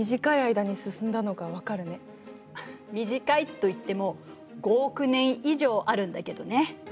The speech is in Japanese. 短いといっても５億年以上あるんだけどね。